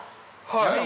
はい。